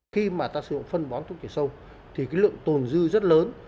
khi mà ta sử dụng phân bón thuốc chảy sông thì cái lượng tồn dư rất lớn